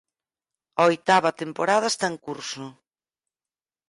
A oitava temporada está en curso.